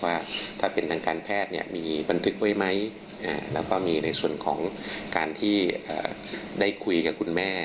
ว่าถ้าเป็นทางการแพทย์เนี่ยมีบันทึกไว้ไหมแล้วก็มีในส่วนของการที่ได้คุยกับคุณแม่